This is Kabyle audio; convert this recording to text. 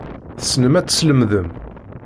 Tessnem ad teslemdem.